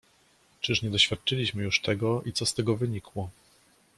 "Czyż nie doświadczyliśmy już tego i co z tego wynikło?"